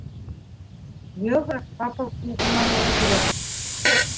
Географ ҡапыл тулҡынланыуға килеп: